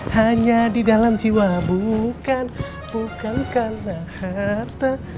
hanya di dalam jiwa bukan karena harta